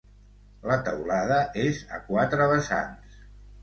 La teulada és a quatre vessants.